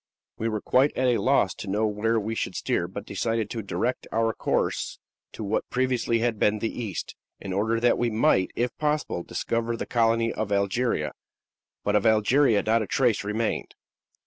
We were quite at a loss to know where we should steer, but decided to direct our course to what previously had been the east, in order that we might, if possible, discover the colony of Algeria; but of Algeria not a trace remained."